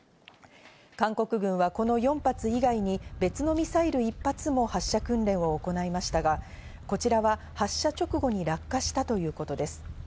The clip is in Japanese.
韓国軍はこの４発以外に別のミサイル１発も発射訓練を行いましたが、こちらは発射直後に落下したということです。